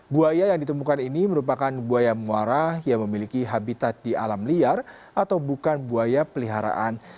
buaya yang ditemukan ini merupakan buaya muara yang memiliki habitat di alam liar atau bukan buaya peliharaan